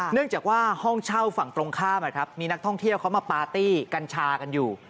เนื่องจากว่าห้องเช่าฝั่งตรงข้ามมีนักท่องเที่ยวเขามาปาร์ตี้กัญชากันอยู่